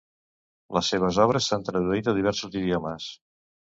Les seves obres s'han traduït a diversos idiomes.